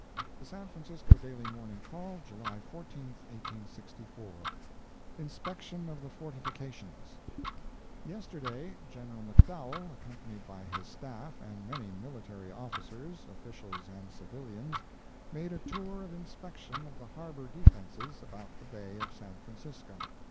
The San Francisco Daily Morning Call, July 14, 1864 INSPECTION OF THE FORTIFICATIONS Yesterday, General McDowell, accompanied by his Staff and many military officers, officials and civilians, made a tour of inspection of the harbor defences about the Bay of San Francisco.